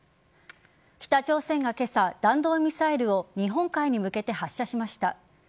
北朝鮮が今朝弾道ミサイルを日本海に向けて発射しました。